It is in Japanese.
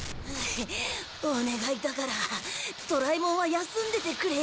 お願いだからドラえもんは休んでてくれよ。